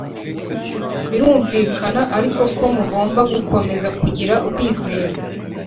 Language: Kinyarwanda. Birumvikana ariko ko mugomba gukomeza kugira ukwizera